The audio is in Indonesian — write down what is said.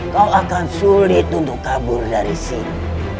kau akan sulit untuk kabur dari sini